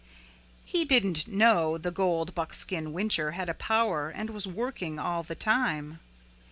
He didn't know the gold buckskin whincher had a power and was working all the time.